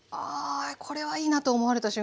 これはいいなと思われた瞬間は？